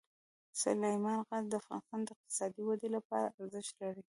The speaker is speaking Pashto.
سلیمان غر د افغانستان د اقتصادي ودې لپاره ارزښت لري.